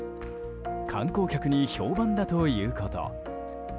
観光客に評判だということ。